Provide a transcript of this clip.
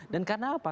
dan karena apa